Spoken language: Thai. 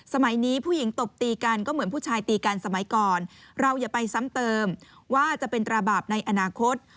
สมัยนี้ผู้หญิงตบตีกันก็เหมือนผู้ชายตีกันสมัยก่อนเราอย่าไปซ้ำเติมว่าจะเป็นตราบาปในอนาคต